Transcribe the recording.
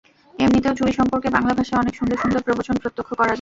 এমনিতেও চুরি সম্পর্কে বাংলা ভাষায় অনেক সুন্দর সুন্দর প্রবচন প্রত্যক্ষ করা যায়।